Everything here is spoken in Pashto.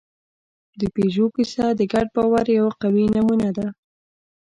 د پيژو کیسه د ګډ باور یوه قوي نمونه ده.